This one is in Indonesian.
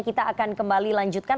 kita akan kembali lanjutkan